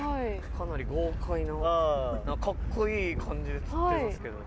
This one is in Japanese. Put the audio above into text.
かなり豪快なカッコいい感じで釣ってますけど。